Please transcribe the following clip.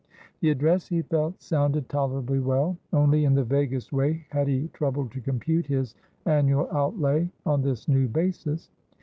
The address, he felt, sounded tolerably well. Only in the vaguest way had he troubled to compute his annual outlay on this new basis.